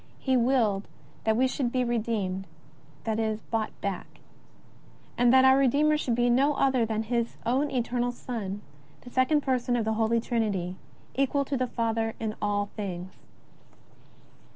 He willed that we should be redeemed ; that is, bought back; and that our Redeemer should be no other than His own Eternal Son, the Second Person of the Holy Trinity, equal to the Father in all things.